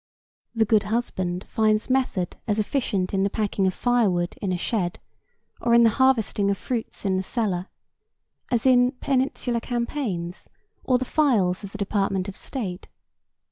The good husband finds method as efficient in the packing of fire wood in a shed or in the harvesting of fruits in the cellar, as in Peninsular campaigns or the files of the Department of State.